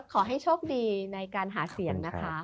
ขอให้โชคดีในการหาเสียงนะคะ